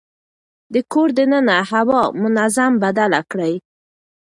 د کور دننه هوا منظم بدله کړئ.